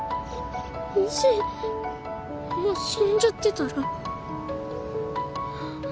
もしもう死んじゃってたら。